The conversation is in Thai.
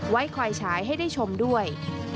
ไว้คอยฉายให้ได้ชมด้วย